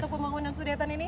untuk pembangunan sudetan ini